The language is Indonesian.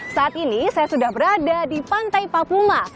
saat ini saya sudah berada di pantai papuma